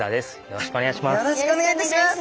よろしくお願いします。